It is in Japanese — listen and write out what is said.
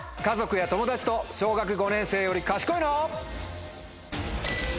家族や友達と小学５年生より賢いの？